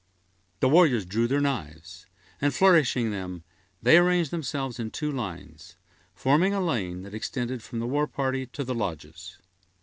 The warriors drew their knives, and flourishing them, they arranged themselves in two lines, forming a lane that extended from the war party to the lodges.